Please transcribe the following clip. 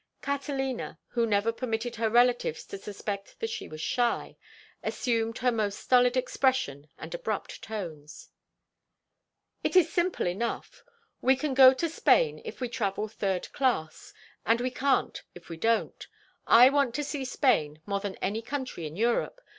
Catalina, who never permitted her relatives to suspect that she was shy, assumed her most stolid expression and abrupt tones. "It is simple enough. We can go to Spain if we travel third class, and we can't if we don't. I want to see Spain more than any country in Europe.